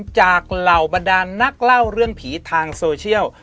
เหล่าบรรดานนักเล่าเรื่องผีทางโซเชียล